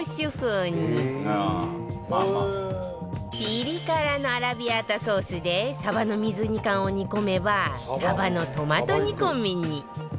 ピリ辛のアラビアータソースでサバの水煮缶を煮込めばサバのトマト煮込みに